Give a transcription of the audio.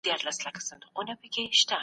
د ملي ټیم بریا ټول ملت سره یو کوي.